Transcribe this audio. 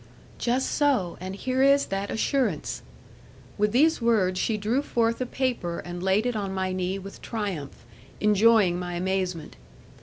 'Just so; and here is that assurance.' With these words she drew forth a paper, and laid it on my knee with triumph, enjoying my amazement.